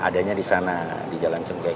adanya di sana di jalan cengkai